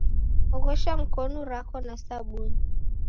Oghosha mkonu rako na sabuni